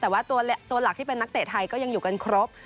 แต่ว่าตัวหลักที่เป็นนักเตะไทยก็ยังอยู่กันครบ